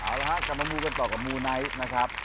เอาละฮะกลับมามูกันต่อกับมูไนท์นะครับ